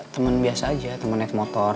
temen biasa aja temen naik motor